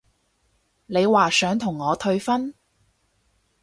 你話想同我退婚？